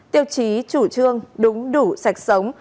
tiêu chí chủ trương đúng đủ sạch sống